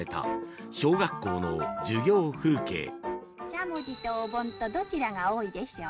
しゃもじとおぼんとどちらが多いでしょう？